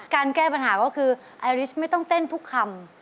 แก้ปัญหาก็คือไอริชไม่ต้องเต้นทุกคำ